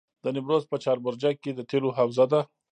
د نیمروز په چاربرجک کې د تیلو حوزه ده.